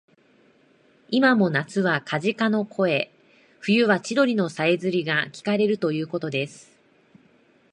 いまも夏はカジカの声、冬は千鳥のさえずりがきかれるということです